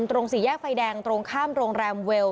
สี่แยกไฟแดงตรงข้ามโรงแรมเวล